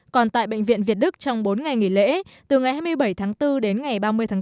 còn tại bệnh viện việt đức trong bốn ngày nghỉ lễ từ ngày hai mươi bảy tháng bốn đến ngày ba mươi tháng bốn